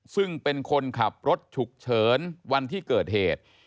ซึ่งเป็นคนขับรถฉุกเฉินวันที่เกิดเหตุ